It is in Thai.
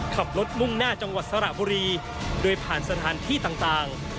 มุ่งหน้าจังหวัดสระบุรีโดยผ่านสถานที่ต่าง